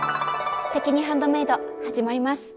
「すてきにハンドメイド」始まります！